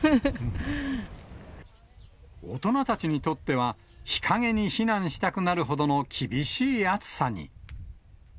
大人たちにとっては、日陰に避難したくなるほどの厳しい暑さに。